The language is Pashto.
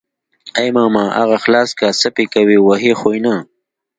ای ماما اغه خلاص که څه پې کوي وهي خو يې نه.